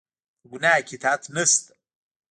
په ګناه کې اطاعت نشته